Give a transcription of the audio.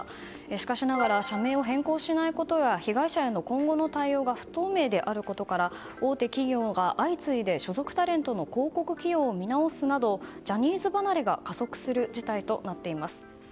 しかしながら社名を変更しないことや被害者への今後の対応が不透明であることから大手企業が所属タレントの広告起用を見直すなどジャニーズ離れが加速する事態となっています。